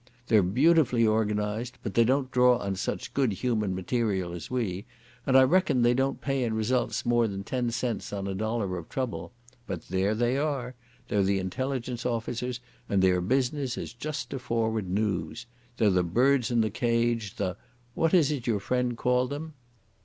They're beautifully organised, but they don't draw on such good human material as we, and I reckon they don't pay in results more than ten cents on a dollar of trouble. But there they are. They're the intelligence officers and their business is just to forward noos. They're the birds in the cage, the—what is it your friend called them?"